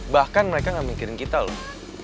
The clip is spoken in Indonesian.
bahkan mereka gak mikirin kita loh